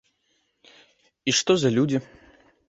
І што за людзі?